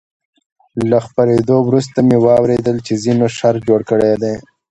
له خپرېدو وروسته مې واورېدل چې ځینو شر جوړ کړی دی.